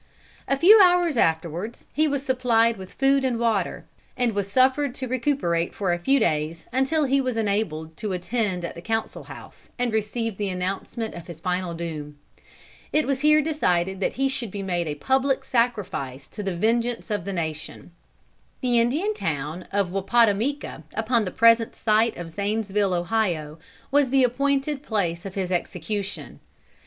] A few hours afterwards he was supplied with food and water, and was suffered to recuperate for a few days, until he was enabled to attend at the council house, and receive the announcement of his final doom. It was here decided that he should be made a public sacrifice to the vengeance of the nation. The Indian town of Wappatomica, upon the present site of Zanesville, Ohio, was the appointed place of his execution.